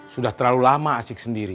sudah terlalu lama asik sendiri